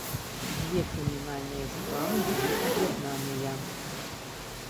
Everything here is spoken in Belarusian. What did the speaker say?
Дзве крымінальныя справы былі аб'яднаныя.